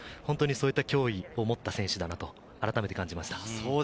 そういった脅威を持った選手だと、あらためて感じました。